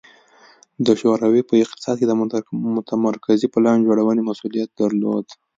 د شوروي په اقتصاد کې د متمرکزې پلان جوړونې مسوولیت درلود